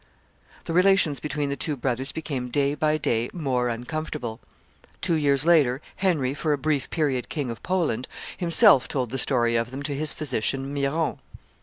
The relations between the two brothers became day by day more uncomfortable: two years later, Henry, for a brief period King of Poland, himself told the story of them to his physician Miron.